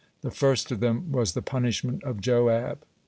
The first of them was the punishment of Joab.